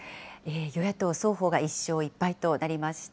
与野党双方が１勝１敗となりました。